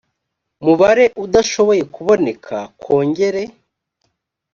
mubare udashoboye kuboneka kongere